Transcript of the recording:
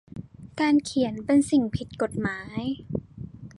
การเขียนเป็นสิ่งผิดกฎหมาย